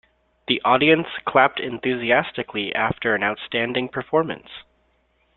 The audience clapped enthusiastically after an outstanding performance.